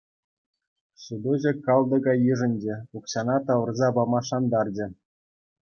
Сутуҫӑ кӑлтӑка йышӑнчӗ, укҫана тавӑрса пама шантарчӗ.